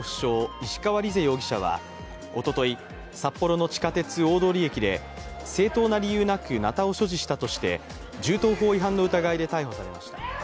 石川莉世容疑者はおととい、札幌の地下鉄・大通駅で正当な理由なくなたを所持したとして銃刀法違反の疑いで逮捕されました。